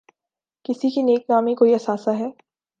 کسی کی نیک نامی کوئی اثاثہ ہے۔